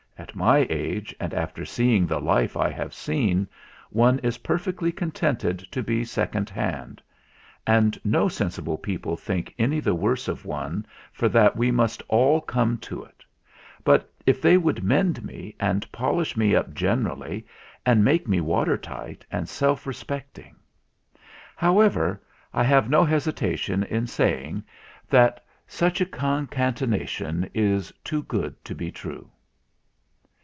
At my age, and after seeing the life I have seen, one is perfectly contented to be second hand; and no sensible people think any the worse of one for that we must all come to it ; but if they would mend me and polish me up generally and make me water tight and self respecting . How ever, I have no hesitation in saying that such a concatenation is too good to be true."